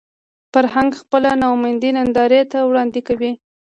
فرهنګ خپله ناامیدي نندارې ته وړاندې کوي